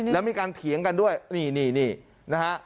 แล้วมีการเถียงกันด้วยนี่นะฮะ